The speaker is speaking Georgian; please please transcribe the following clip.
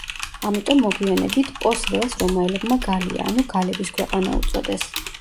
ამიტომ მოგვიანებით პოს ველს რომაელებმა გალია ანუ გალების ქვეყანა უწოდეს.